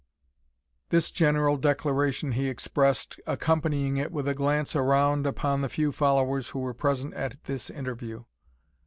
This general declaration he expressed, accompanying it with a glance around upon the few followers who were present at this interview.